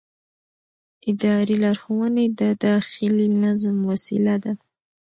اداري لارښوونې د داخلي نظم وسیله ده.